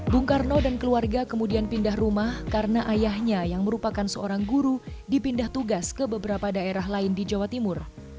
bung karno dan keluarga kemudian pindah rumah karena ayahnya yang merupakan seorang guru dipindah tugas ke beberapa daerah lain di jawa timur